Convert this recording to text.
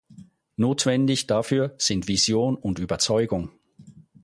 Notwendig dafür sind Vision und Überzeugung.